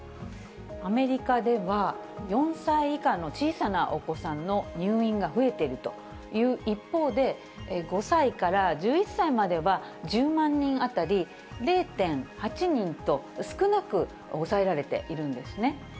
アメリカでは、４歳以下の小さなお子さんの入院が増えているという一方で、５歳から１１歳までは、１０万人当たり０．８人と、少なく抑えられているんですね。